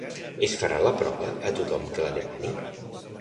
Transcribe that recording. Es farà la prova a tothom que la demani?